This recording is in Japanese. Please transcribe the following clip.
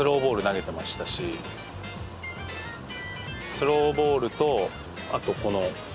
スローボールとあとこの。